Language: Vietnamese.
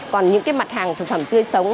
còn những mặt hàng thực phẩm cươi sống